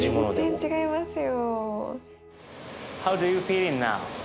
全然違いますよ。